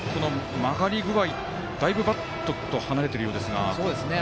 曲がり具合、だいぶバットと離れているようですが。